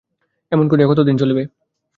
এমন করিয়া কতদিন চলিবে?